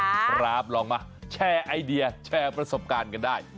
ครับลองมาแชร์ไอเดียแชร์ประสบการณ์กันได้